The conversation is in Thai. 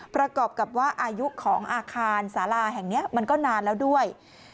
ประกอบกับว่าอายุของอาคารสาราแห่งนี้มันก็นานแล้วด้วย